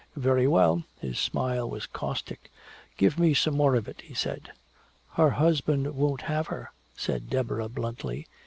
"Very well." His smile was caustic. "Give me some more of it," he said. "Her husband won't have her," said Deborah bluntly.